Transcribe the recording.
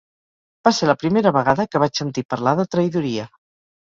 Va ser la primera vegada que vaig sentir parlar de traïdoria